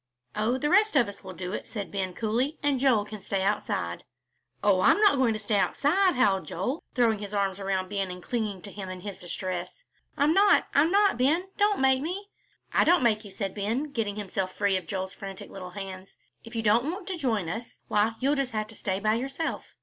"Oh, the rest of us will do it," said Ben, coolly, "and Joel can stay outside." "Oh, I'm not going to stay outside," howled Joel, throwing his arms around Ben and clinging to him in his distress. "I'm not. I'm not, Ben, don't make me." "I don't make you," said Ben, getting himself free from Joel's frantic little hands; "if you don't want to join us, why, you'll just have to stay by yourself."